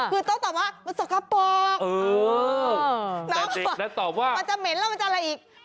คือต้องตอบว่ามันสกปรกน้ำเห็บแล้วตอบว่ามันจะเหม็นแล้วมันจะอะไรอีก